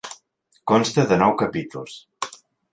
Consta de nou capítols.